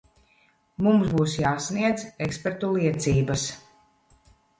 Mums būs jāsniedz ekspertu liecības.